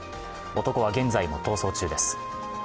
男は現在も逃走中です。